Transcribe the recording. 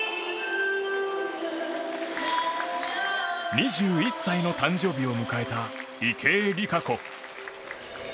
２１歳の誕生日を迎えた池江璃花子。